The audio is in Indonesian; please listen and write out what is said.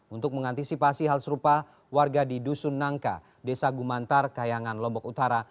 untuk mengantisipasi hal serupa warga di dusun nangka desa gumantar kayangan lombok utara